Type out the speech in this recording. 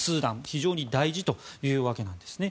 非常に大事というわけなんですね。